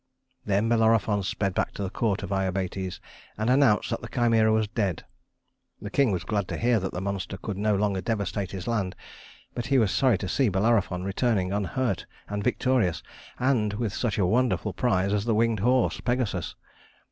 Then Bellerophon sped back to the court of Iobates and announced that the Chimæra was dead. The king was glad to hear that the monster could no longer devastate his land, but he was sorry to see Bellerophon returning unhurt and victorious, and with such a wonderful prize as the winged horse, Pegasus.